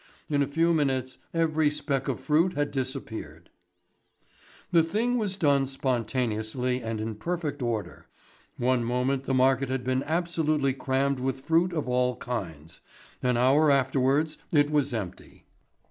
In a few minutes every speck of fruit had disappeared. The thing was done spontaneously and in perfect order. One moment the market had been absolutely crammed with fruit of all kinds, an hour afterwards it was empty.